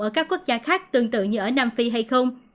ở các quốc gia khác tương tự như ở nam phi hay không